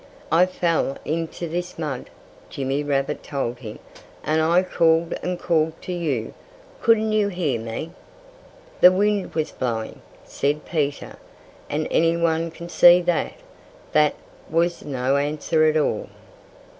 "I fell into this mud," Jimmy Rabbit told him. "And I called and called to you. Couldn't you hear me?" "The wind was blowing," said Peter and anyone can see that that was no answer at all.